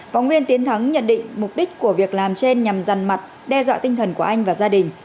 phóng viên tiến thắng nhận định mục đích của việc làm trên nhằm dằn mặt đe dọa tinh thần của anh và gia đình